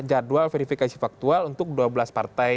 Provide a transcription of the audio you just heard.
jadwal verifikasi faktual untuk dua belas partai